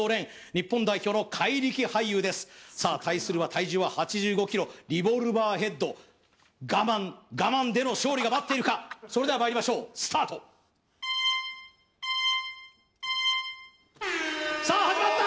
日本代表の怪力俳優ですさあ対するは体重は８５ｋｇリボルバー・ヘッド我慢我慢での勝利が待っているかそれではまいりましょうスタートさあ始まった！